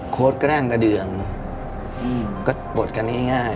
โค้ดก็นั่งกระเดืองก็ปลดกันง่าย